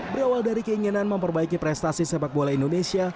berawal dari keinginan memperbaiki prestasi sepak bola indonesia